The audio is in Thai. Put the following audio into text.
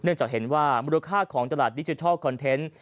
จากเห็นว่ามูลค่าของตลาดดิจิทัลคอนเทนต์